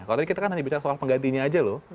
kalau tadi kita kan hanya bicara soal penggantinya aja loh